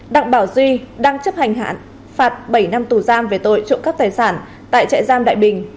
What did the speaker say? đặng bảo duy đang chấp hành hạn phạt bảy năm tù giam về tội trộm cắp tài sản tại trại giam đại bình